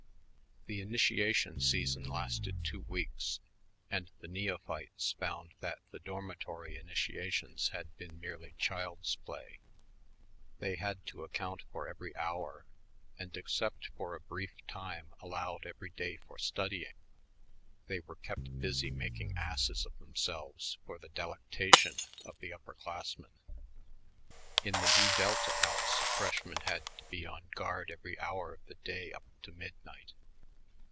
The initiation season lasted two weeks, and the neophytes found that the dormitory initiations had been merely child's play. They had to account for every hour, and except for a brief time allowed every day for studying, they were kept busy making asses of themselves for the delectation of the upper classmen. In the Nu Delta house a freshman had to be on guard every hour of the day up to midnight.